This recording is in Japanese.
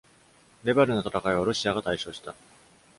レヴァルの戦いは、ロシアが大勝した。